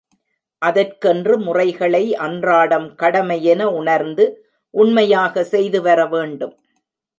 அதற்கென்று முறைகளை அன்றாடம் கடமையென உணர்ந்து, உண்மையாக செய்து வரவேண்டும்.